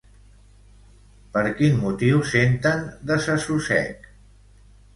Per quin motiu senten desassossec?